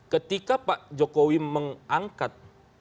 ketika pak jokowi mengangkat